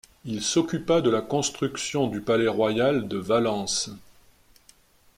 Il s'occupa de la construction du Palais Royal de Valence.